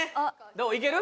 どういける？